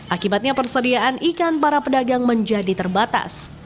akibatnya persediaan ikan para pedagang menjadi terbatas